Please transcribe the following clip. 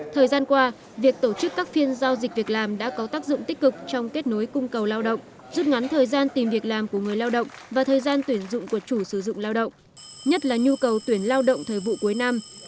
thời gian qua việc tổ chức các phiên giao dịch việc làm đã có tác dụng tích cực trong kết nối cung cầu lao động rút ngắn thời gian tìm việc làm của người lao động và thời gian tuyển dụng của chủ sử dụng lao động nhất là nhu cầu tuyển lao động thời vụ cuối năm